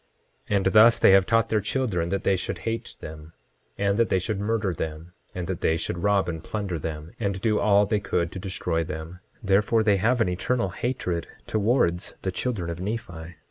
10:17 And thus they have taught their children that they should hate them, and that they should murder them, and that they should rob and plunder them, and do all they could to destroy them; therefore they have an eternal hatred towards the children of Nephi.